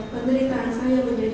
penderitaan saya menjadi